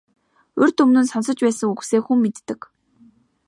Урьд өмнө нь сонсож байсан үгсээ хүн мэддэг.